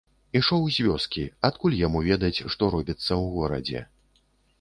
Ішоў з вёскі, адкуль яму ведаць, што робіцца ў горадзе.